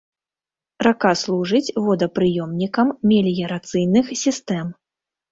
Рака служыць водапрыёмнікам меліярацыйных сістэм.